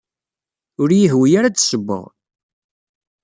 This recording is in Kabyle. Ur iyi-yehwi ara ad d-ssewweɣ.